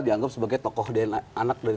dianggap sebagai tokoh anak dari